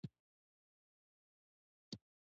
ښځې نارینه نجونې او هلکان یې په خپلو لاسونو جوړوي.